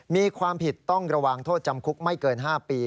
มีความผิดต้องระวังโทษจำคุกไม่เกิน๕ปี